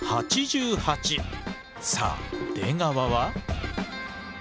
さあ出川は？